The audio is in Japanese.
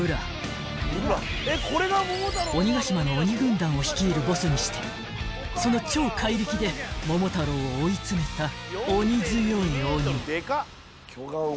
［鬼ヶ島の鬼軍団を率いるボスにしてその超怪力で桃太郎を追い詰めた鬼強い鬼］